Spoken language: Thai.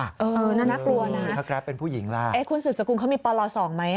นั่นน่ากลัวนะถ้าแกรบเป็นผู้หญิงล่ะคุณสุจกรุงเขามีปลล๒ไหม